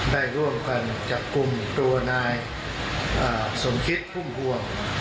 ได้ร่วมกันจับกลุ่มตัวนายสมคิดพุ่มพวง